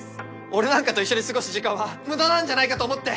俺なんかと一緒に過ごす時間は無駄なんじゃないかと思って